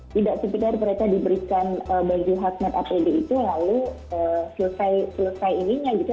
tidak sekedar mereka diberikan baju hasmat apd itu lalu selesai ininya gitu